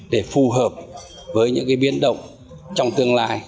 để phù hợp với những biến động trong tương lai